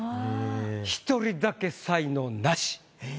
１人だけ才能ナシ。